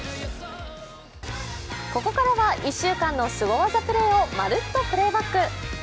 ここからは１週間のスゴ技プレーをまるっとプレイバック。